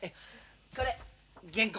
これ原稿。